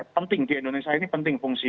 penting di indonesia ini penting fungsi